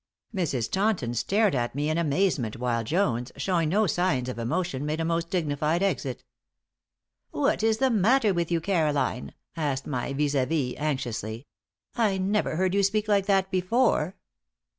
Mrs. Taunton stared at me in amazement, while Jones, showing no signs of emotion, made a most dignified exit. "What is the matter with you, Caroline?" asked my vis à vis, anxiously. "I never heard you speak like that before."